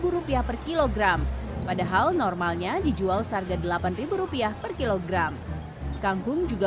rupiah per kilogram padahal normalnya dijual seharga delapan ribu rupiah per kilogram kangkung juga